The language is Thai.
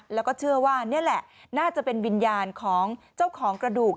แล้วก็เชื่อว่านี่แหละน่าจะเป็นวิญญาณของเจ้าของกระดูก